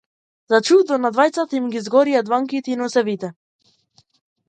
За чудо, на двајцата им ги изгорија дланките и носевите.